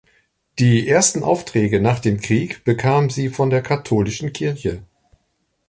Die ersten Aufträge nach dem Krieg bekam sie von der katholischen Kirche.